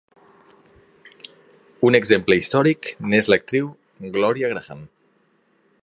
Un exemple històric n'és l'actriu Gloria Grahame.